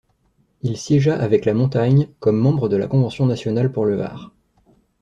Il siégea avec la Montagne, comme membre de la Convention nationale pour le Var.